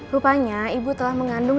rupanya ibu telah mengandung